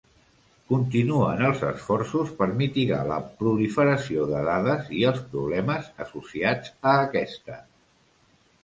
Continuen els esforços per mitigar la proliferació de dades i els problemes associats a aquesta.